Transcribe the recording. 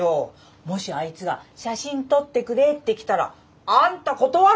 もしあいつが写真撮ってくれって来たらあんた断るかい？